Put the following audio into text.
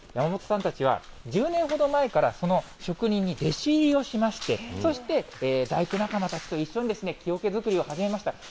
山本さんたちは、１０年ほど前からその職人に弟子入りをしまして、そして大工仲間たちと一緒に、木おけ作りを始めました。